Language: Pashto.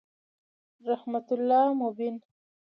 رحمت الله مبین